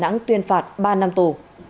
đà nẵng tuyên phạt ba năm tù